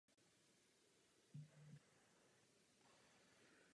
Pane předsedající, závisí akademická kariéra na mobilitě?